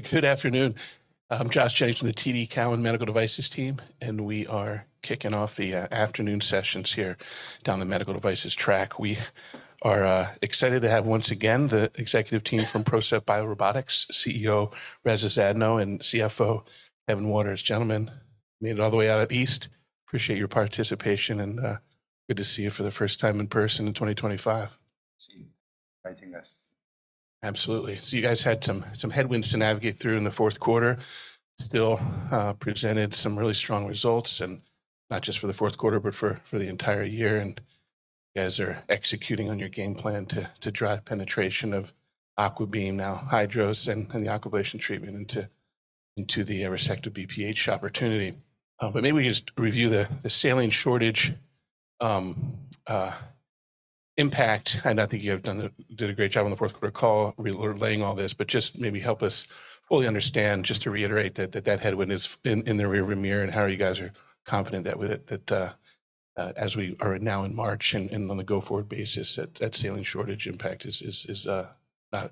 Good afternoon. I'm Josh Chang from the TD Cowen Medical Devices team, and we are kicking off the afternoon sessions here down the medical devices track. We are excited to have once again the executive team from PROCEPT BioRobotics, CEO Reza Zadno and CFO Kevin Waters. Gentlemen, made it all the way out East. Appreciate your participation, and good to see you for the first time in person in 2025. See you writing this. Absolutely. So you guys had some headwinds to navigate through in the fourth quarter, still presented some really strong results, and not just for the fourth quarter, but for the entire year. And you guys are executing on your game plan to drive penetration of AquaBeam, now HYDROS, and the Aquablation treatment into the resective BPH opportunity. But maybe we just review the saline shortage impact. I know I think you have done a great job on the fourth quarter call laying all this, but just maybe help us fully understand, just to reiterate that headwind is in the rearview mirror, and how you guys are confident that as we are now in March and on the go-forward basis, that saline shortage impact is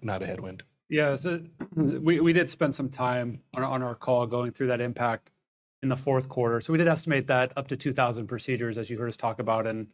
not a headwind. Yeah, so we did spend some time on our call going through that impact in the fourth quarter. So we did estimate that up to 2,000 procedures, as you heard us talk about. And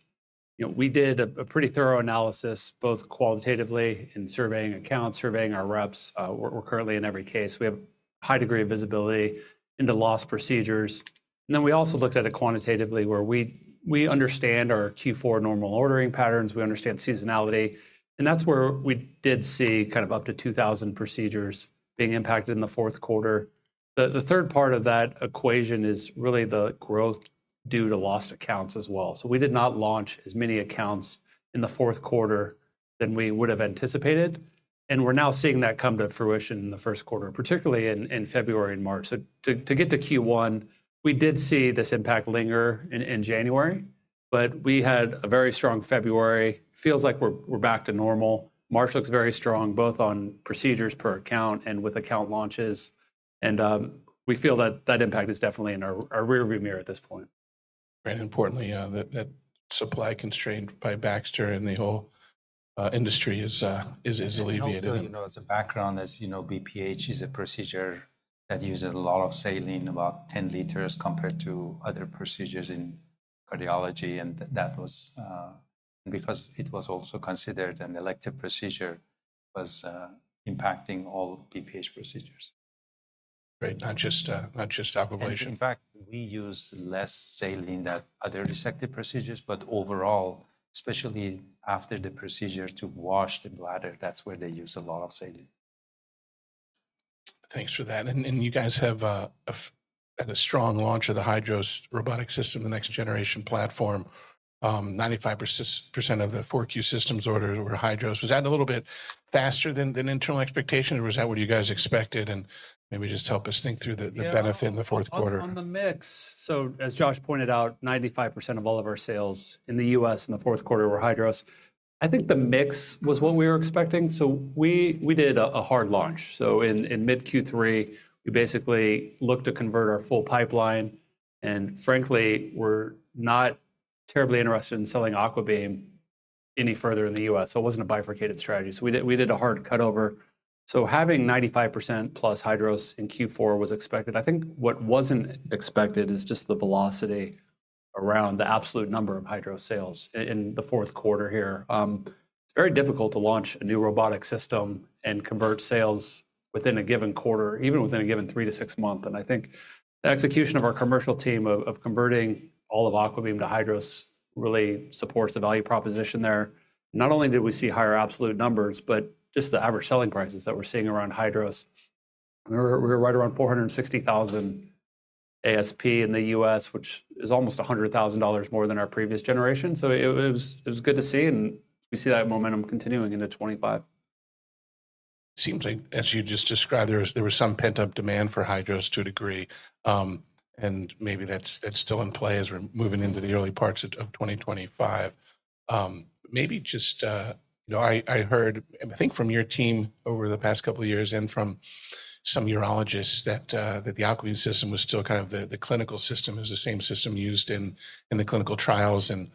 we did a pretty thorough analysis, both qualitatively in surveying accounts, surveying our reps. We're currently in every case. We have a high degree of visibility into lost procedures. And then we also looked at it quantitatively, where we understand our Q4 normal ordering patterns. We understand seasonality. And that's where we did see kind of up to 2,000 procedures being impacted in the fourth quarter. The third part of that equation is really the growth due to lost accounts as well. So we did not launch as many accounts in the fourth quarter than we would have anticipated. And we're now seeing that come to fruition in the first quarter, particularly in February and March. So, to get to Q1, we did see this impact linger in January, but we had a very strong February. It feels like we're back to normal. March looks very strong, both on procedures per account and with account launches. And we feel that that impact is definitely in our rearview mirror at this point. Importantly, that supply constraint by Baxter and the whole industry is alleviated. Also, you know, as a background, BPH is a procedure that uses a lot of saline, about 10 liters, compared to other procedures in cardiology. And that was because it was also considered an elective procedure, was impacting all BPH procedures. Great. Not just Aquablation. In fact, we use less saline than other resective procedures, but overall, especially after the procedure to wash the bladder, that's where they use a lot of saline. Thanks for that. And you guys have had a strong launch of the HYDROS robotic system, the next generation platform. 95% of the 4Q systems ordered were HYDROS. Was that a little bit faster than internal expectations, or was that what you guys expected? And maybe just help us think through the benefit in the fourth quarter. On the mix, so as Josh pointed out, 95% of all of our sales in the U.S. in the fourth quarter were HYDROS. I think the mix was what we were expecting, so we did a hard launch, so in mid Q3, we basically looked to convert our full pipeline. And frankly, we're not terribly interested in selling AquaBeam any further in the U.S., so it wasn't a bifurcated strategy, so we did a hard cutover, so having 95% plus HYDROS in Q4 was expected. I think what wasn't expected is just the velocity around the absolute number of HYDROS sales in the fourth quarter here. It's very difficult to launch a new robotic system and convert sales within a given quarter, even within a given 3-6 months. And I think the execution of our commercial team of converting all of AquaBeam to HYDROS really supports the value proposition there. Not only did we see higher absolute numbers, but just the average selling prices that we're seeing around HYDROS. We were right around $460,000 ASP in the U.S., which is almost $100,000 more than our previous generation. So it was good to see, and we see that momentum continuing into 2025. Seems like, as you just described, there was some pent-up demand for HYDROS to a degree. And maybe that's still in play as we're moving into the early parts of 2025. Maybe just, you know, I heard, I think from your team over the past couple of years and from some urologists, that the AquaBeam system was still kind of the clinical system is the same system used in the clinical trials and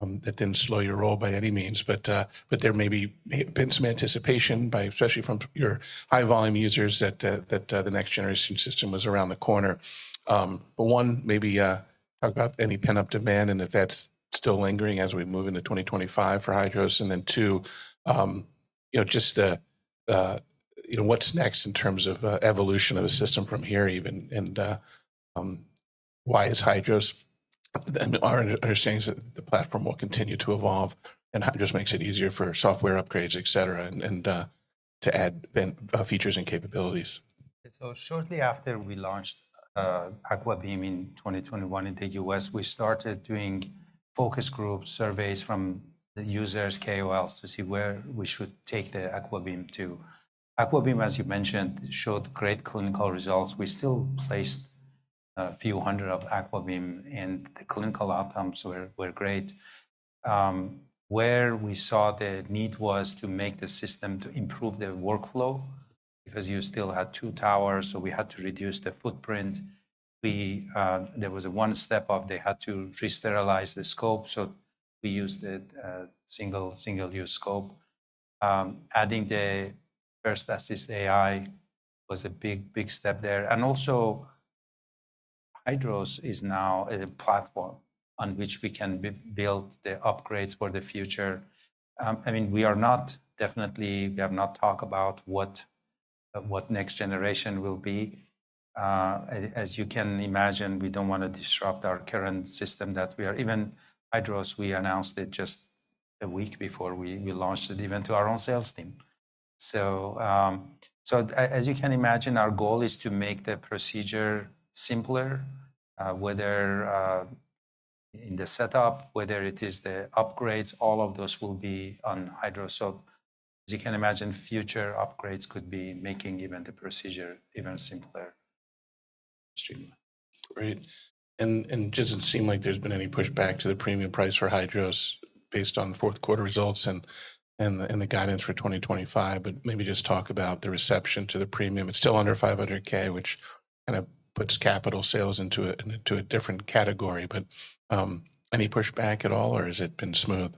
that didn't slow your roll by any means. But there may have been some anticipation, especially from your high-volume users, that the next generation system was around the corner. But one, maybe talk about any pent-up demand and if that's still lingering as we move into 2025 for HYDROS. And then, too, you know, just what's next in terms of evolution of the system from here even, and why is HYDROS. Our understanding is that the platform will continue to evolve and HYDROS makes it easier for software upgrades, etc., and to add features and capabilities. So shortly after we launched AquaBeam in 2021 in the U.S., we started doing focus group surveys from the users, KOLs, to see where we should take the AquaBeam to. AquaBeam, as you mentioned, showed great clinical results. We still placed a few hundred of AquaBeam, and the clinical outcomes were great. Where we saw the need was to make the system to improve the workflow because you still had two towers, so we had to reduce the footprint. There was a one step of they had to re-sterilize the scope, so we used a single-use scope. Adding the FirstAssist AI was a big, big step there. And also, HYDROS is now a platform on which we can build the upgrades for the future. I mean, we are not definitely, we have not talked about what next generation will be. As you can imagine, we don't want to disrupt our current system that we are, even HYDROS. We announced it just a week before we launched it even to our own sales team. So as you can imagine, our goal is to make the procedure simpler, whether in the setup, whether it is the upgrades. All of those will be on HYDROS. So as you can imagine, future upgrades could be making even the procedure even simpler. Great. And it doesn't seem like there's been any pushback to the premium price for HYDROS based on the fourth quarter results and the guidance for 2025, but maybe just talk about the reception to the premium. It's still under $500,000, which kind of puts capital sales into a different category. But any pushback at all, or has it been smooth?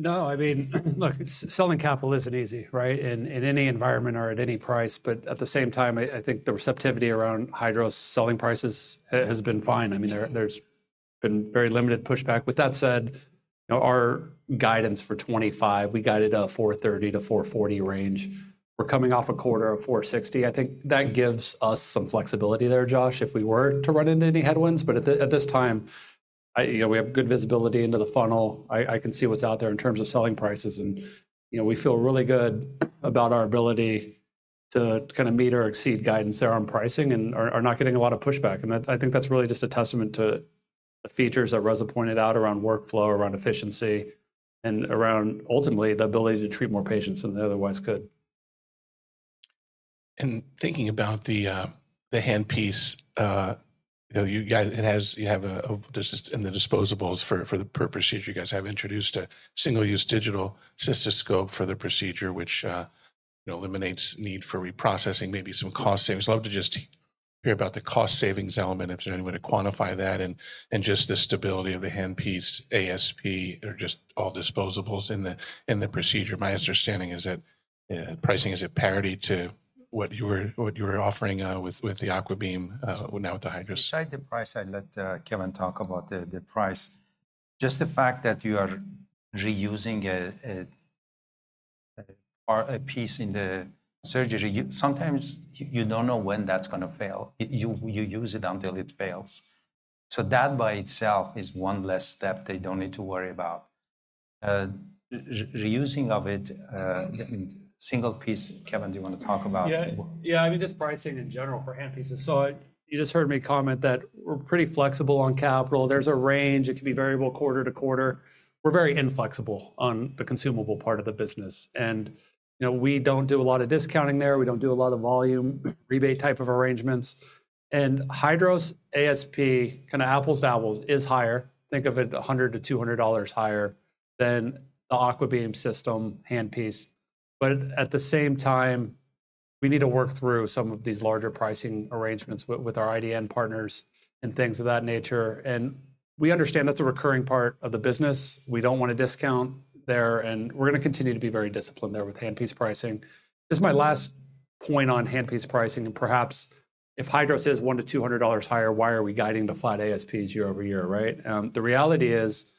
No, I mean, look, selling capital isn't easy, right, in any environment or at any price. But at the same time, I think the receptivity around HYDROS selling prices has been fine. I mean, there's been very limited pushback. With that said, our guidance for 2025, we guided a 430-440 range. We're coming off a quarter of 460. I think that gives us some flexibility there, Josh, if we were to run into any headwinds. But at this time, we have good visibility into the funnel. I can see what's out there in terms of selling prices. And we feel really good about our ability to kind of meet or exceed guidance there on pricing and are not getting a lot of pushback. I think that's really just a testament to the features that Reza pointed out around workflow, around efficiency, and around ultimately the ability to treat more patients than they otherwise could. Thinking about the handpiece, you have in the disposables for the procedure. You guys have introduced a single-use digital cystoscope for the procedure, which eliminates need for reprocessing, maybe some cost savings. I'd love to just hear about the cost savings element, if there's any way to quantify that, and just the stability of the handpiece, ASP, or just all disposables in the procedure. My understanding is that pricing is a parity to what you were offering with the AquaBeam, now with the HYDROS. Besides the price, I'll let Kevin talk about the price. Just the fact that you are reusing a piece in the surgery, sometimes you don't know when that's going to fail. You use it until it fails. So that by itself is one less step they don't need to worry about. Reusing of it, single piece. Kevin, do you want to talk about? Yeah, I mean, just pricing in general for handpieces. So you just heard me comment that we're pretty flexible on capital. There's a range. It can be variable quarter to quarter. We're very inflexible on the consumable part of the business. And we don't do a lot of discounting there. We don't do a lot of volume rebate type of arrangements. And HYDROS ASP, kind of apples to apples, is higher. Think of it $100-$200 higher than the AquaBeam system handpiece. But at the same time, we need to work through some of these larger pricing arrangements with our IDN partners and things of that nature. And we understand that's a recurring part of the business. We don't want to discount there. And we're going to continue to be very disciplined there with handpiece pricing. Just my last point on handpiece pricing, and perhaps if HYDROS is $100-$200 higher, why are we guiding to flat ASPs year-over-year, right? The reality is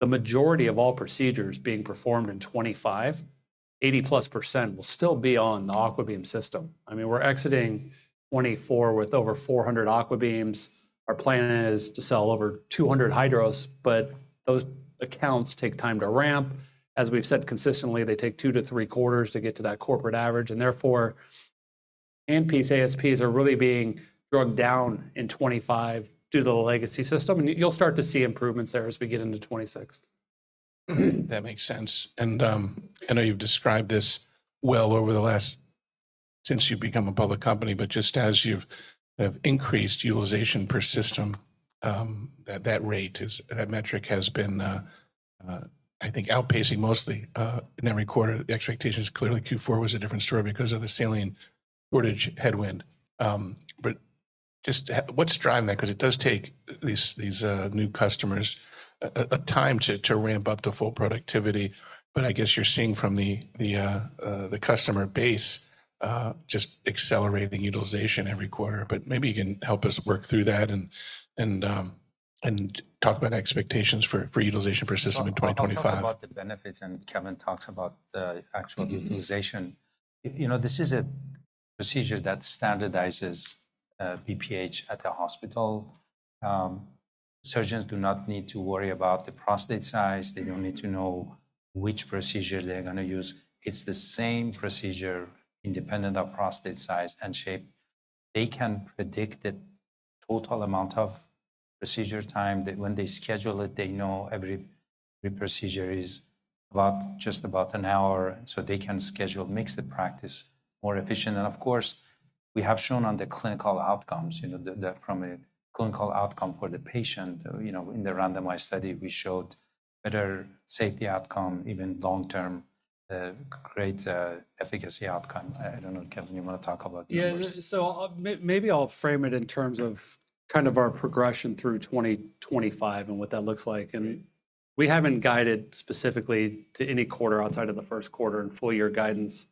the majority of all procedures being performed in 2025, 80-plus% will still be on the AquaBeam system. I mean, we're exiting 2024 with over 400 AquaBeams. Our plan is to sell over 200 HYDROS, but those accounts take time to ramp. As we've said consistently, they take two to three quarters to get to that corporate average. And therefore, handpiece ASPs are really being dragged down in 2025 due to the legacy system. And you'll start to see improvements there as we get into 2026. That makes sense, and I know you've described this well over the last since you've become a public company, but just as you've increased utilization per system, that rate, that metric has been, I think, outpacing mostly in every quarter. The expectation is clearly Q4 was a different story because of the saline shortage headwind, but just what's driving that? Because it does take these new customers time to ramp up to full productivity, but I guess you're seeing from the customer base just accelerating utilization every quarter, but maybe you can help us work through that and talk about expectations for utilization per system in 2025. I'll talk about the benefits, and Kevin talks about the actual utilization. You know, this is a procedure that standardizes BPH at the hospital. Surgeons do not need to worry about the prostate size. They don't need to know which procedure they're going to use. It's the same procedure independent of prostate size and shape. They can predict the total amount of procedure time. When they schedule it, they know every procedure is just about an hour. So they can schedule, make the practice more efficient. And of course, we have shown on the clinical outcomes, you know, from a clinical outcome for the patient. You know, in the randomized study, we showed better safety outcome, even long-term, great efficacy outcome. I don't know, Kevin, you want to talk about that? Yeah, so maybe I'll frame it in terms of kind of our progression through 2025 and what that looks like. And we haven't guided specifically to any quarter outside of the first quarter in full year guidance.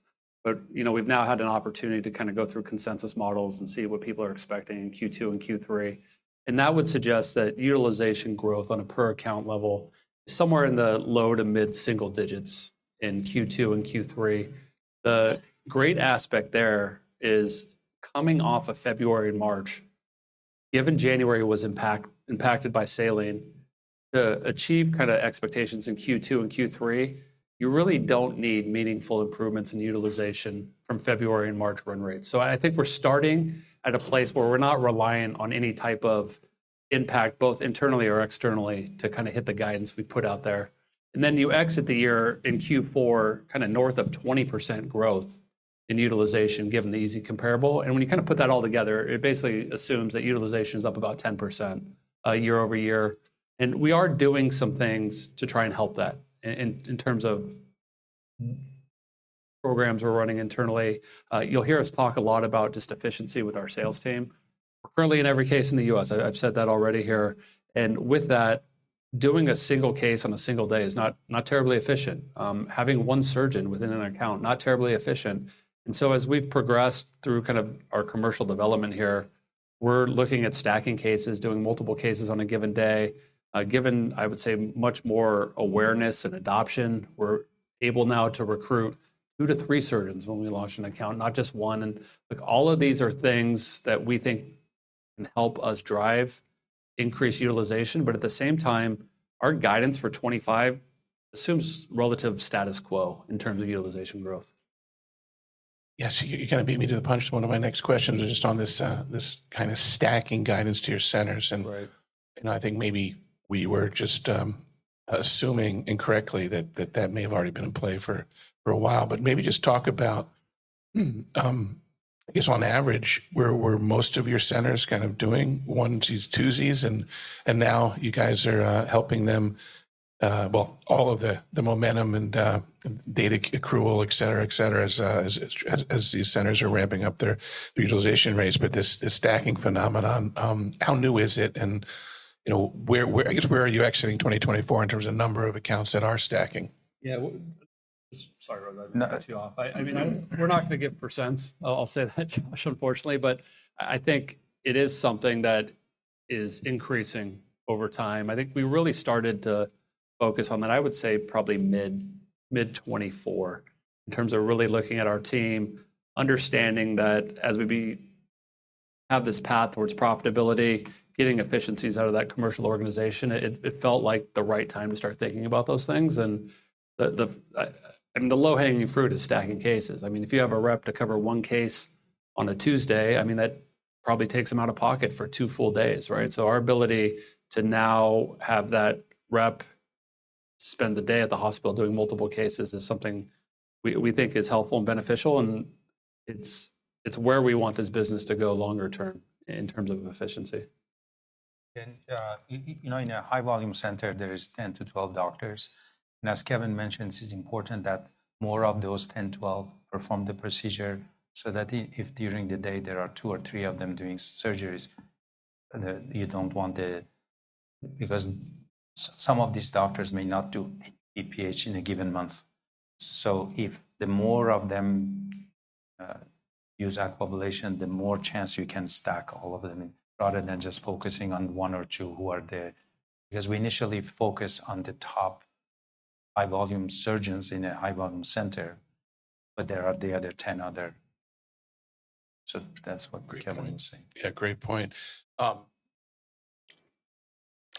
But you know, we've now had an opportunity to kind of go through consensus models and see what people are expecting in Q2 and Q3. And that would suggest that utilization growth on a per account level is somewhere in the low to mid single digits in Q2 and Q3. The great aspect there is coming off of February and March, given January was impacted by saline, to achieve kind of expectations in Q2 and Q3, you really don't need meaningful improvements in utilization from February and March run rates. So I think we're starting at a place where we're not relying on any type of impact, both internally or externally, to kind of hit the guidance we put out there. And then you exit the year in Q4 kind of north of 20% growth in utilization, given the easy comparable. And when you kind of put that all together, it basically assumes that utilization is up about 10% year-over-year. And we are doing some things to try and help that in terms of programs we're running internally. You'll hear us talk a lot about just efficiency with our sales team. We're currently, in every case, in the U.S. I've said that already here. And with that, doing a single case on a single day is not terribly efficient. Having one surgeon within an account, not terribly efficient. And so as we've progressed through kind of our commercial development here, we're looking at stacking cases, doing multiple cases on a given day. Given, I would say, much more awareness and adoption, we're able now to recruit two to three surgeons when we launch an account, not just one. And all of these are things that we think can help us drive increased utilization. But at the same time, our guidance for 2025 assumes relative status quo in terms of utilization growth. Yes, you're going to beat me to the punch to one of my next questions just on this kind of stacking guidance to your centers. And I think maybe we were just assuming incorrectly that that may have already been in play for a while. But maybe just talk about, I guess, on average, where were most of your centers kind of doing onesies, twosies, and now you guys are helping them, well, all of the momentum and data accrual, etc., etc., as these centers are ramping up their utilization rates. But this stacking phenomenon, how new is it? And I guess, where are you exiting 2024 in terms of number of accounts that are stacking? Yeah, sorry, Reza cut you off. I mean, we're not going to give percents. I'll say that, Josh, unfortunately. But I think it is something that is increasing over time. I think we really started to focus on that, I would say, probably mid-2024 in terms of really looking at our team, understanding that as we have this path towards profitability, getting efficiencies out of that commercial organization, it felt like the right time to start thinking about those things, and I mean, the low-hanging fruit is stacking cases. I mean, if you have a rep to cover one case on a Tuesday, I mean, that probably takes them out of pocket for two full days, right? So our ability to now have that rep spend the day at the hospital doing multiple cases is something we think is helpful and beneficial. It's where we want this business to go longer term in terms of efficiency. You know, in a high-volume center, there are 10-12 doctors. As Kevin mentioned, it's important that more of those 10, 12 perform the procedure so that if during the day there are two or three of them doing surgeries, you don't want to, because some of these doctors may not do BPH in a given month. So if more of them use Aquablation, the more chance you can stack all of them rather than just focusing on one or two who are there. Because we initially focused on the top high-volume surgeons in a high-volume center, but there are the other 10. So that's what Kevin is saying. Yeah, great point.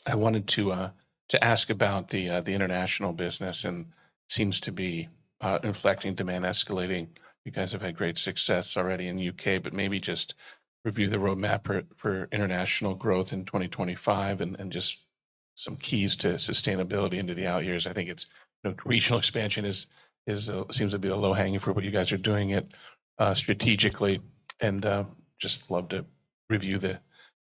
I wanted to ask about the international business, and seems to be inflecting demand, escalating. You guys have had great success already in the UK, but maybe just review the roadmap for international growth in 2025 and just some keys to sustainability into the out years. I think regional expansion seems to be a low-hanging fruit what you guys are doing strategically, and just love to review the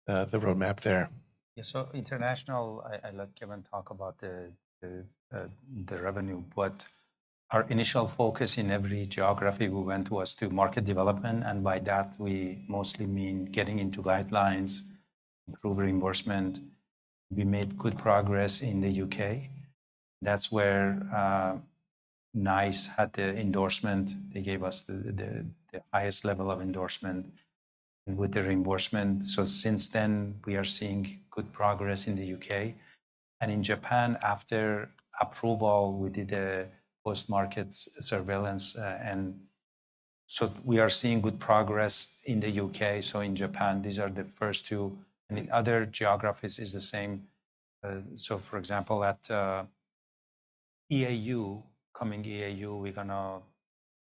roadmap there. Yeah, so international. I let Kevin talk about the revenue. But our initial focus in every geography we went to was to market development. And by that, we mostly mean getting into guidelines, improve reimbursement. We made good progress in the U.K. That's where NICE had the endorsement. They gave us the highest level of endorsement with the reimbursement. So since then, we are seeing good progress in the U.K. And in Japan, after approval, we did a post-market surveillance. And so we are seeing good progress in the U.K. So in Japan, these are the first two. And in other geographies, it's the same. So for example, at EAU, coming EAU, we're going to.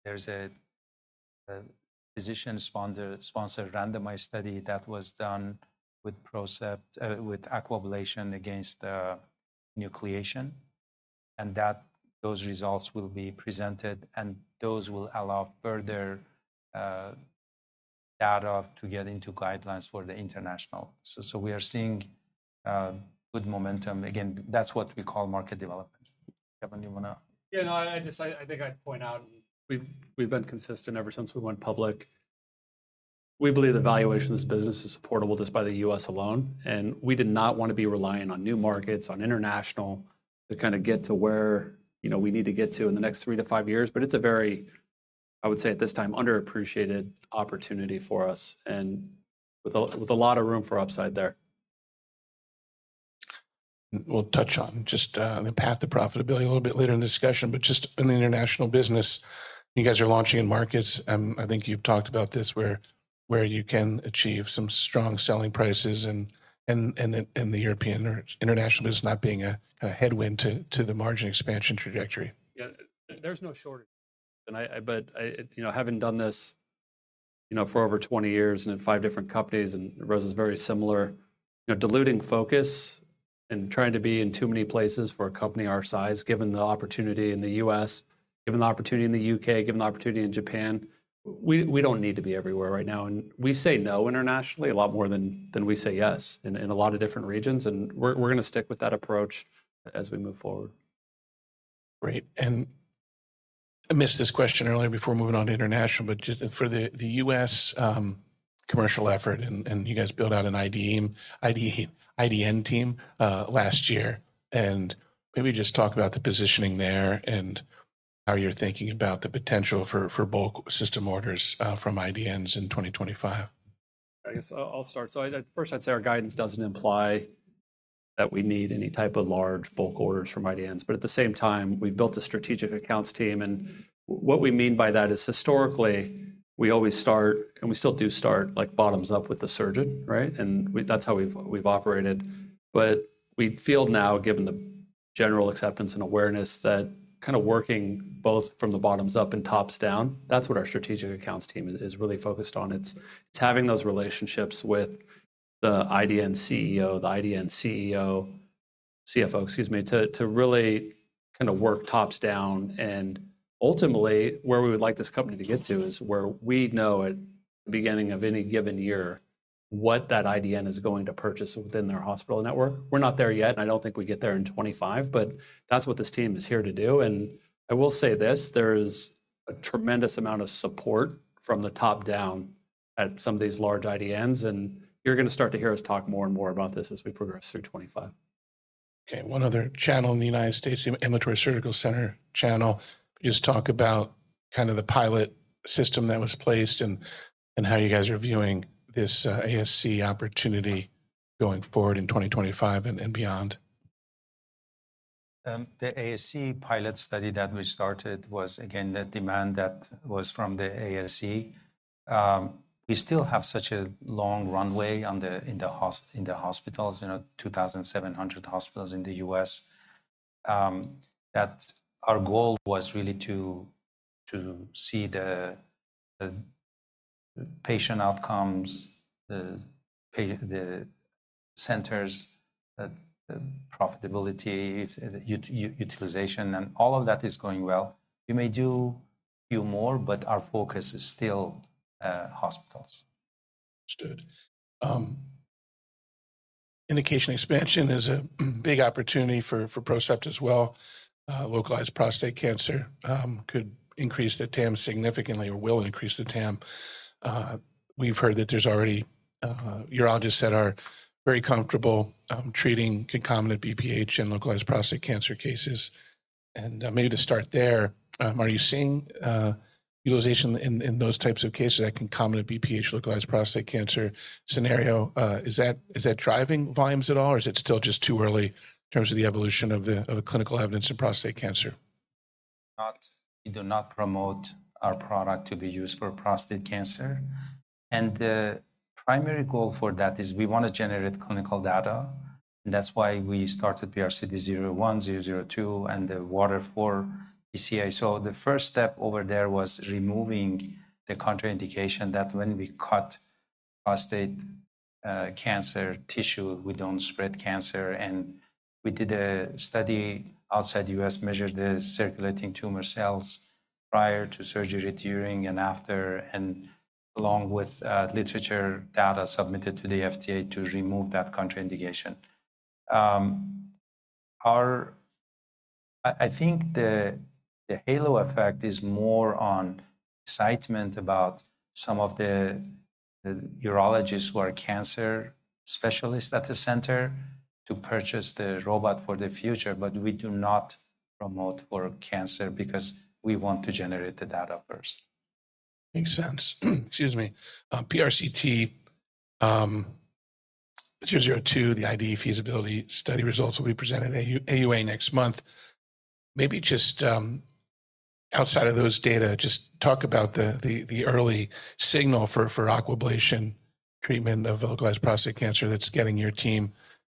There's a physician-sponsored randomized study that was done with Aquablation against enucleation. And those results will be presented. And those will allow further data to get into guidelines for the international. So we are seeing good momentum. Again, that's what we call market development. Kevin, do you want to? Yeah, no, I think I'd point out, and we've been consistent ever since we went public. We believe the valuation of this business is supportable just by the U.S. alone, and we did not want to be relying on new markets, on international, to kind of get to where we need to get to in the next three to five years, but it's a very, I would say at this time, underappreciated opportunity for us and with a lot of room for upside there. We'll touch on just the path to profitability a little bit later in the discussion. But just in the international business, you guys are launching in markets. I think you've talked about this where you can achieve some strong selling prices in the European or international business, not being a headwind to the margin expansion trajectory. Yeah, there's no shortage, but having done this for over 20 years and in five different companies, and Reza's very similar, diluting focus and trying to be in too many places for a company our size, given the opportunity in the U.S., given the opportunity in the U.K., given the opportunity in Japan, we don't need to be everywhere right now, and we say no internationally a lot more than we say yes in a lot of different regions, and we're going to stick with that approach as we move forward. Great. And I missed this question earlier before moving on to international, but just for the U.S. commercial effort, and you guys built out an IDN team last year. And maybe just talk about the positioning there and how you're thinking about the potential for bulk system orders from IDNs in 2025? I guess I'll start. So first, I'd say our guidance doesn't imply that we need any type of large bulk orders from IDNs. But at the same time, we've built a strategic accounts team. And what we mean by that is historically, we always start, and we still do start like bottoms up with the surgeon, right? And that's how we've operated. But we feel now, given the general acceptance and awareness that kind of working both from the bottoms up and tops down, that's what our strategic accounts team is really focused on. It's having those relationships with the IDN CEO, the IDN CEO, CFO, excuse me, to really kind of work tops down. And ultimately, where we would like this company to get to is where we know at the beginning of any given year what that IDN is going to purchase within their hospital network. We're not there yet. And I don't think we get there in 2025. But that's what this team is here to do. And I will say this, there is a tremendous amount of support from the top down at some of these large IDNs. And you're going to start to hear us talk more and more about this as we progress through 2025. Okay, one other channel in the United States, the Ambulatory Surgical Center channel. Just talk about kind of the pilot system that was placed and how you guys are viewing this ASC opportunity going forward in 2025 and beyond. The ASC pilot study that we started was, again, that demand that was from the ASC. We still have such a long runway in the hospitals, 2,700 hospitals in the U.S., that our goal was really to see the patient outcomes, the centers, profitability, utilization, and all of that is going well. We may do a few more, but our focus is still hospitals. Understood. Indication expansion is a big opportunity for PROCEPT as well. Localized prostate cancer could increase the TAM significantly or will increase the TAM. We've heard that there's already urologists that are very comfortable treating concomitant BPH and localized prostate cancer cases. And maybe to start there, are you seeing utilization in those types of cases that concomitant BPH, localized prostate cancer scenario? Is that driving volumes at all, or is it still just too early in terms of the evolution of clinical evidence in prostate cancer? We do not promote our product to be used for prostate cancer, and the primary goal for that is we want to generate clinical data. That's why we started PRCT001, PRCT002, and the WATER IV PCa. The first step over there was removing the contraindication that when we cut prostate cancer tissue, we don't spread cancer. We did a study outside the U.S., measured the circulating tumor cells prior to surgery, during, and after, and along with literature data submitted to the FDA to remove that contraindication. I think the halo effect is more on excitement about some of the urologists who are cancer specialists at the center to purchase the robot for the future. We do not promote for cancer because we want to generate the data first. Makes sense. Excuse me. PRCT002, the IDE feasibility study results will be presented at AUA next month. Maybe just outside of those data, just talk about the early signal for Aquablation treatment of localized prostate cancer that's getting your team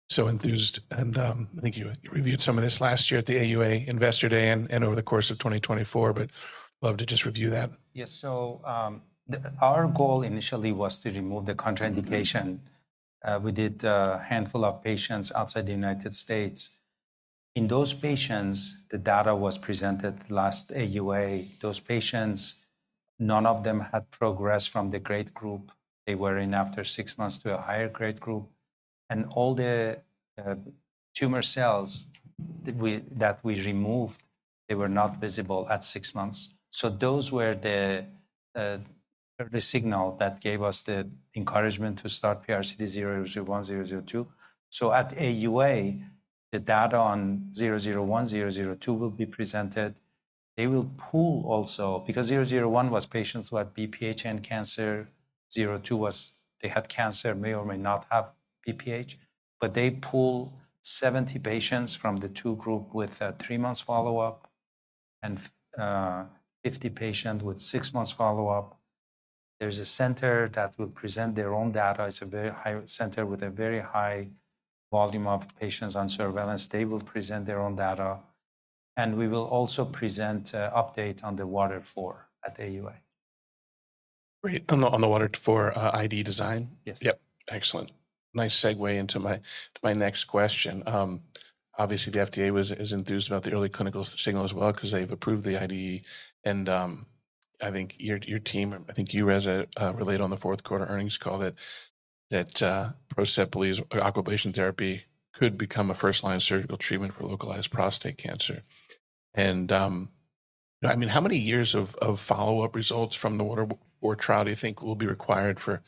so enthused. And I think you reviewed some of this last year at the AUA Investor Day and over the course of 2024. But I'd love to just review that. Yes, so our goal initially was to remove the contraindication. We did a handful of patients outside the United States. In those patients, the data was presented last AUA. Those patients, none of them had progressed from the grade group they were in after six months to a higher grade group. And all the tumor cells that we removed, they were not visible at six months. So those were the early signal that gave us the encouragement to start PRCT001, PRCT002. So at AUA, the data on 001, 002 will be presented. They will pool also because 001 was patients who had BPH and cancer. 002 was they had cancer, may or may not have BPH. But they pool 70 patients from the two groups with three months follow-up and 50 patients with six months follow-up. There's a center that will present their own data. It's a very high center with a very high volume of patients on surveillance. They will present their own data, and we will also present an update on the WATER IV at AUA. Great. On the WATER IV IDE design? Yes. Yep. Excellent. Nice segue into my next question. Obviously, the FDA is enthused about the early clinical signal as well because they've approved the IDE. And I think your team, I think you relayed on the fourth quarter earnings call that PROCEPT believes Aquablation therapy could become a first-line surgical treatment for localized prostate cancer. And I mean, how many years of follow-up results from the WATER IV trial do you think will be required for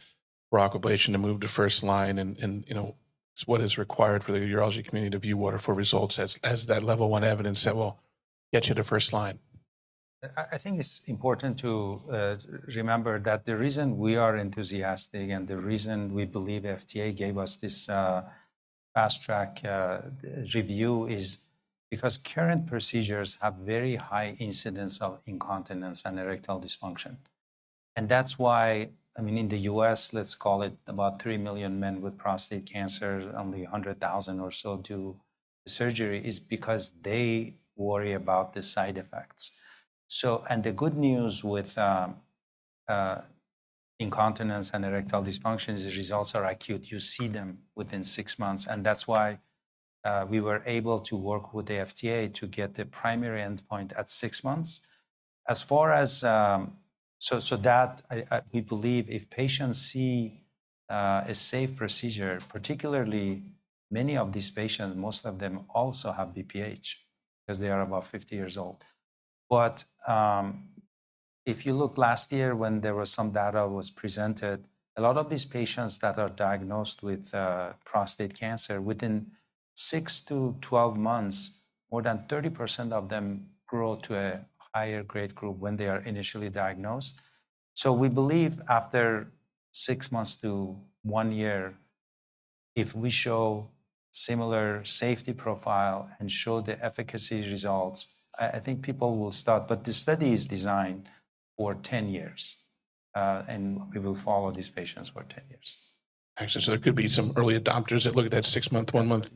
Aquablation to move to first line? And what is required for the urology community to view WATER IV results as that level one evidence that will get you to first line? I think it's important to remember that the reason we are enthusiastic and the reason we believe FDA gave us this fast-track review is because current procedures have very high incidence of incontinence and erectile dysfunction. And that's why, I mean, in the U.S., let's call it about 3 million men with prostate cancer, only 100,000 or so do the surgery is because they worry about the side effects. And the good news with incontinence and erectile dysfunction is the results are acute. You see them within six months. And that's why we were able to work with the FDA to get the primary endpoint at six months. As far as so that we believe if patients see a safe procedure, particularly many of these patients, most of them also have BPH because they are about 50 years old. But if you look last year when there was some data that was presented, a lot of these patients that are diagnosed with prostate cancer, within six to 12 months, more than 30% of them grow to a higher Grade Group when they are initially diagnosed. So we believe after six months to one year, if we show similar safety profile and show the efficacy results, I think people will start. But the study is designed for 10 years. And we will follow these patients for 10 years. Excellent. So there could be some early adopters that look at that six-month, one-month,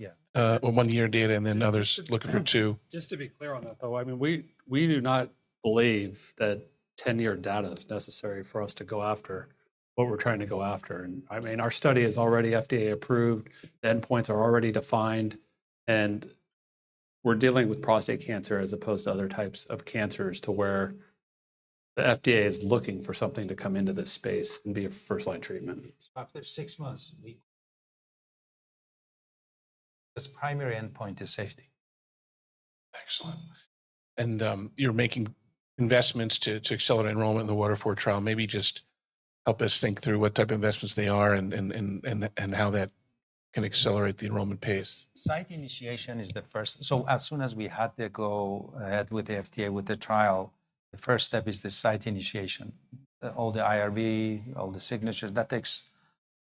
one-year data, and then others look at for two. Just to be clear on that, though, I mean, we do not believe that 10-year data is necessary for us to go after what we're trying to go after. And I mean, our study is already FDA approved. The endpoints are already defined. And we're dealing with prostate cancer as opposed to other types of cancers to where the FDA is looking for something to come into this space and be a first-line treatment. After six months, our primary endpoint is safety. Excellent. And you're making investments to accelerate enrollment in the WATER IV trial. Maybe just help us think through what type of investments they are and how that can accelerate the enrollment pace. Site initiation is the first. So as soon as we had to go ahead with the FDA with the trial, the first step is the site initiation. All the IRB, all the signatures, that takes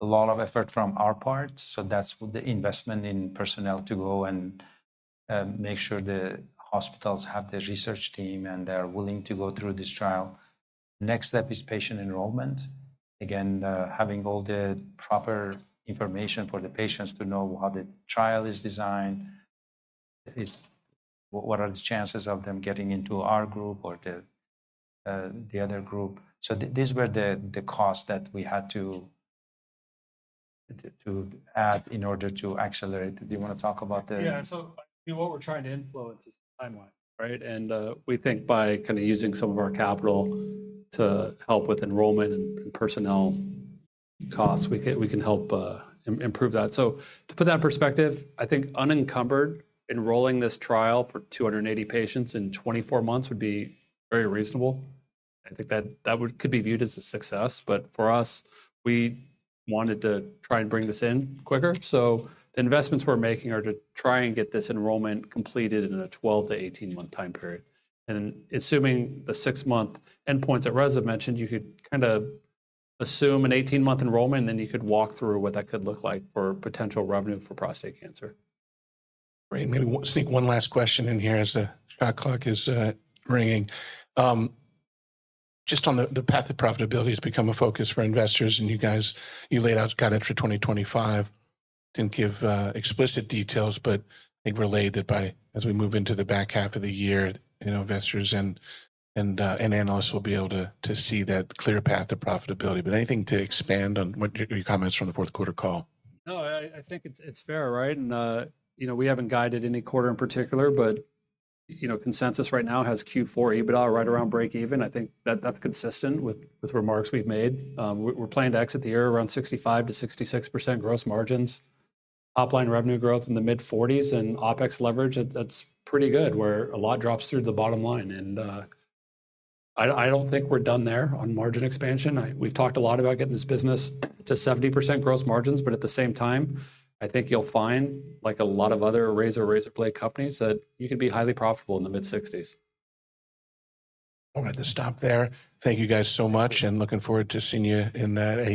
a lot of effort from our part. So that's the investment in personnel to go and make sure the hospitals have the research team and they're willing to go through this trial. Next step is patient enrollment. Again, having all the proper information for the patients to know how the trial is designed, what are the chances of them getting into our group or the other group. So these were the costs that we had to add in order to accelerate. Do you want to talk about the? Yeah. So what we're trying to influence is the timeline, right? And we think by kind of using some of our capital to help with enrollment and personnel costs, we can help improve that. So to put that in perspective, I think unencumbered enrolling this trial for 280 patients in 24 months would be very reasonable. I think that could be viewed as a success. But for us, we wanted to try and bring this in quicker. So the investments we're making are to try and get this enrollment completed in a 12-18-month time period. And assuming the six-month endpoints that Reza mentioned, you could kind of assume an 18-month enrollment, and then you could walk through what that could look like for potential revenue for prostate cancer. Great. I'm going to sneak one last question in here as the shot clock is ringing. Just on the path of profitability has become a focus for investors. And you guys laid out guidance for 2025. Didn't give explicit details, but I think relayed that by as we move into the back half of the year, investors and analysts will be able to see that clear path of profitability. But anything to expand on your comments from the fourth quarter call? No, I think it's fair, right? And we haven't guided any quarter in particular. But consensus right now has Q4 EBITDA right around break-even. I think that's consistent with remarks we've made. We're planning to exit the year around 65%-66% gross margins. Top-line revenue growth in the mid-40s and OpEx leverage, that's pretty good where a lot drops through the bottom line. And I don't think we're done there on margin expansion. We've talked a lot about getting this business to 70% gross margins. But at the same time, I think you'll find, like a lot of other razor or razor blade companies, that you can be highly profitable in the mid-60s. All right. Let's stop there. Thank you guys so much and looking forward to seeing you in the.